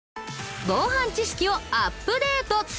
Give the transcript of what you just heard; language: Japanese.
防犯知識をアップデート。